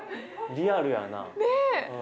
リアルやな。